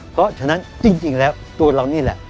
เพราะฉะนั้นจริงแล้วตัวเรานี่แหละ